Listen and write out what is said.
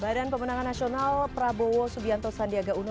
badan pemenangan nasional prabowo subianto sandiaga uno